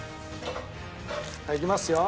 はいいきますよ。